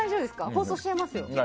放送しちゃいますよ。